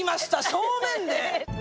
正面で。